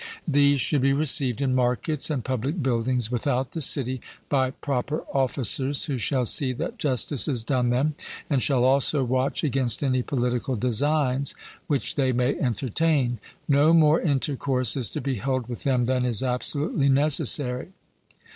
These should be received in markets and public buildings without the city, by proper officers, who shall see that justice is done them, and shall also watch against any political designs which they may entertain; no more intercourse is to be held with them than is absolutely necessary.